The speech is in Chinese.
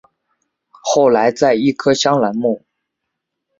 后来在一棵香兰木。